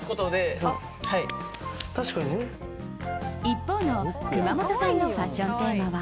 一方の熊元さんのファッションテーマは。